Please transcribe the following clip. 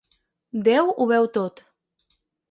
Déu ho veu tot.